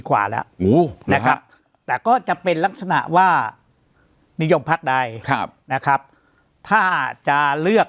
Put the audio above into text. กว่าแล้วนะครับแต่ก็จะเป็นลักษณะว่านิยมพักใดนะครับถ้าจะเลือก